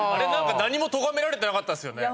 何もとがめられてなかったですよね？